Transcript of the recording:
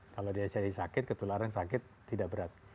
kalau dia jadi sakit ketularan sakit tidak berat